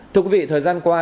thưa quý vị thời gian qua